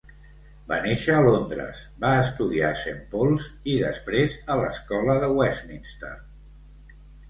Va néixer a Londres, va estudiar Saint Paul's i després a l'escola de Westminster.